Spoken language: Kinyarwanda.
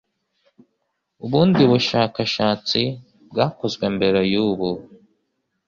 Ubundi bushakashatsi bwakozwe mbere y'ubu,